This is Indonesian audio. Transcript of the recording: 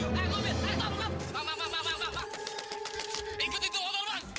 bang emang diam